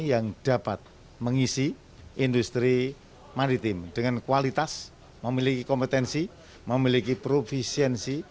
yang dapat mengisi industri maritim dengan kualitas memiliki kompetensi memiliki provisiensi